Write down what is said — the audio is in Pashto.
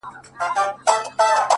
• زما سره يې دومره ناځواني وكړله ،